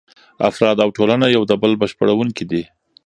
افراد او ټولنه یو د بل بشپړونکي دي.